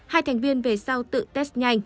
hai thành viên về sau tự test nhanh